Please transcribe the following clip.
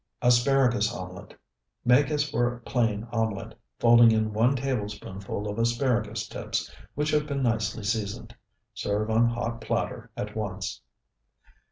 ASPARAGUS OMELET Make as for plain omelet, folding in one tablespoonful of asparagus tips, which have been nicely seasoned. Serve on hot platter at once.